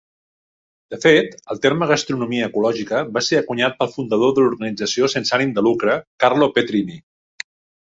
De fet, el terme 'gastronomia ecològica' va ser encunyat pel fundador de l'organització sense ànim de lucre, Carlo Petrini.